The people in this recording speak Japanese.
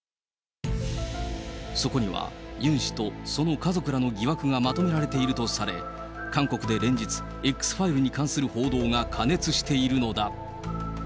そこには、ユン氏とその家族らの疑惑がまとめられているとされ、韓国で連日、Ｘファイルに関する報道が過熱しているのだ。